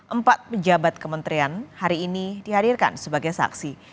empat pejabat kementerian hari ini dihadirkan sebagai saksi